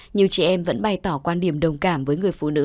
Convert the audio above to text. nhiều chị em vẫn bày tỏ quan điểm đồng cảm với người phụ nữ